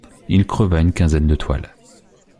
Il creva une quinzaine de toiles.